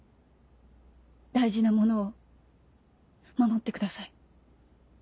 大事なものを守ってください。